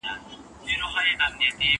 ته کندهار کې اوسه دا مېنه بې وږمه نه شي